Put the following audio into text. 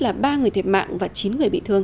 làm ít nhất ba người thiệt mạng và chín người bị thương